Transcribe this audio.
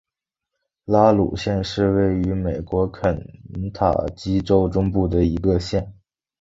拉鲁县是位于美国肯塔基州中部的一个县。